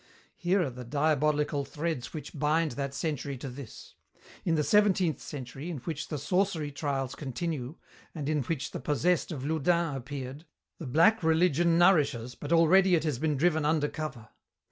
Here are the diabolical threads which bind that century to this. In the seventeenth century, in which the sorcery trials continue, and in which the 'possessed' of Loudun appear, the black religion nourishes, but already it has been driven under cover.